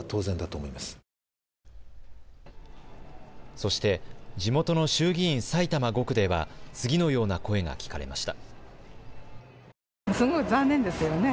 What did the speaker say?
そして地元の衆議院埼玉５区では次のような声が聞かれました。